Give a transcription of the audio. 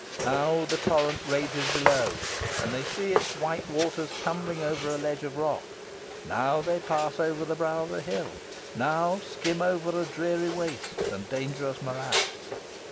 Now the torrent rages below, and they see its white waters tumbling over a ledge of rock; now they pass over the brow of a hill; now skim over a dreary waste and dangerous morass.